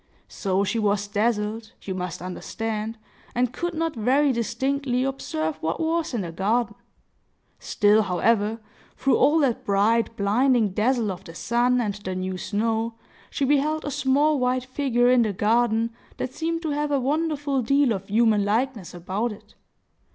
So she was dazzled, you must understand, and could not very distinctly observe what was in the garden. Still, however, through all that bright, blinding dazzle of the sun and the new snow, she beheld a small white figure in the garden, that seemed to have a wonderful deal of human likeness about it.